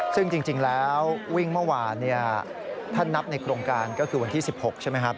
ซึ่งจริงแล้ววิ่งเมื่อวานถ้านับในโครงการก็คือวันที่๑๖ใช่ไหมครับ